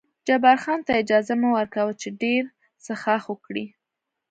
جبار خان ته اجازه مه ور کوه چې ډېر څښاک وکړي.